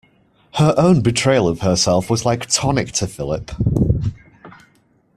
Her own betrayal of herself was like tonic to Philip.